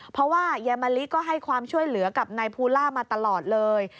เพราะว่ายายมะลิก็ให้ความช่วยเหลือกับนายภูล่ามาตลอดเลย